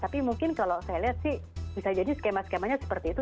tapi mungkin kalau saya lihat sih bisa jadi skema skemanya seperti itu